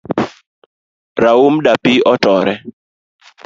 Raum dapii otore